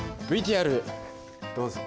ＶＴＲどうぞ。